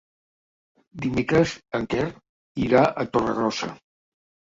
Dimecres en Quer irà a Torregrossa.